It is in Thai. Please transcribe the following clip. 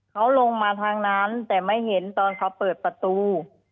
เขาลงมาทางนั้นแต่ไม่เห็นตอนเขาเปิดประตู